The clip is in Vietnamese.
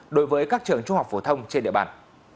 đối với các trường trung học phổ thông trên địa bàn